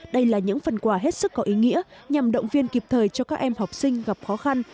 đây là những phần quà hết sức có ý nghĩa nhằm động viên kịp thời cho các em học sinh gặp khó khăn